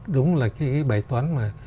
đúng là cái bài toán mà